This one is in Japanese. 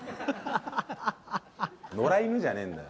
野良犬じゃねぇんだよ。